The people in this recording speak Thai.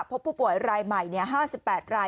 พบผู้ป่วยรายใหม่๕๘ราย